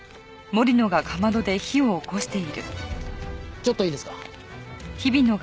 ちょっといいですか？